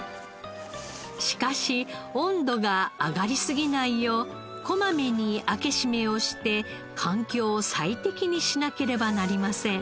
しかし温度が上がりすぎないようこまめに開け閉めをして環境を最適にしなければなりません。